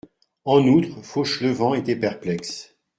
En outre, Fauchelevent était perplexe.